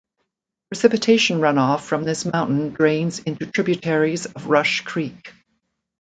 Precipitation runoff from this mountain drains into tributaries of Rush Creek.